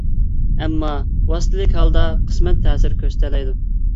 ئەمما ۋاسىتىلىك ھالدا قىسمەن تەسىر كۆرسىتەلەيدۇ.